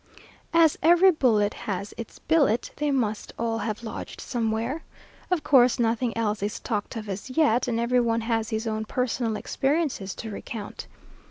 As "every bullet has its billet," they must all have lodged somewhere. Of course, nothing else is talked of as yet, and every one has his own personal experiences to recount.